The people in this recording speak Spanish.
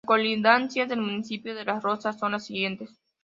Las colindancias del municipio de Las Rosas son las siguientes.